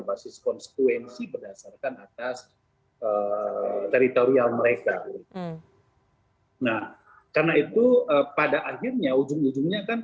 basis konsekuensi berdasarkan atas teritorial mereka nah karena itu pada akhirnya ujung ujungnya kan